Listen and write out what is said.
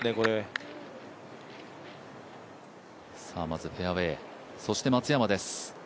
まずフェアウエー、そして松山です。